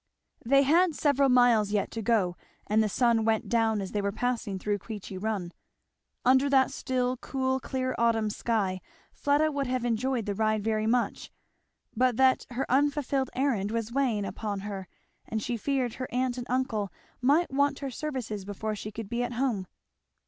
They had several miles yet to go, and the sun went down as they were passing through Queechy Run. Under that still cool clear autumn sky Fleda would have enjoyed the ride very much, but that her unfulfilled errand was weighing upon her, and she feared her aunt and uncle might want her services before she could be at home.